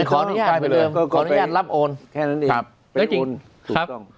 ขออนุญาตรับโอนแค่นั้นดี